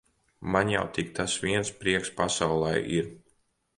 Man jau tik tas viens prieks pasaulē ir.